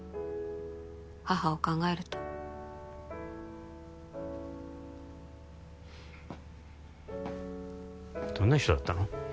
母を考えるとどんな人だったの？